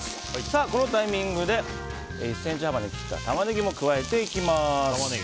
このタイミングで１ｃｍ幅に切ったタマネギも加えていきます。